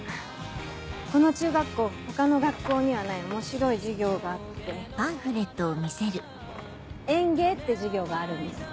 この中学校他の学校にはない面白い授業があって園芸って授業があるんです。